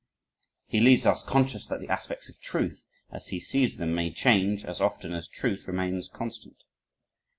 He leads us, conscious that the aspects of truth, as he sees them, may change as often as truth remains constant.